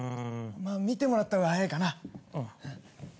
まあ見てもらったほうが早いかな。